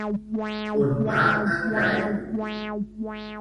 On va en Kyle?